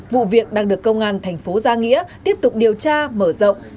vụ việc đang được công an thành phố gia nghĩa tiếp tục điều tra mở rộng